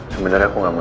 sebenarnya aku gak mau